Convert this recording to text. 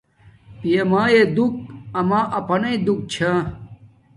پیا میݵ دوک آما اپانݵ دوک چھا